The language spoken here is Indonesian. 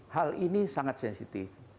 hal ini sangat sensitif